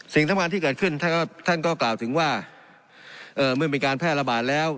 สิ่งทั้งหมดที่เกิดขึ้นท่านก็ท่านก็กล่าวถึงว่าเอ่อเมื่อมีการแพร่ระบาดแล้ว